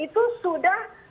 itu sudah berhasil